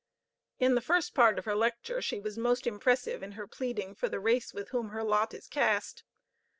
In the first part of her lecture she was most impressive in her pleading for the race with whom her lot is cast.